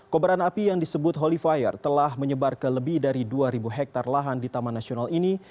kobaran api yang disebut holy fire telah menyebar ke lebih dari dua ribu hektare lahan di taman nasional ini